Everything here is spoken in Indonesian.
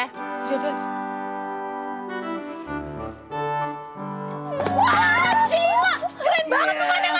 wah gila keren banget tuh pandangannya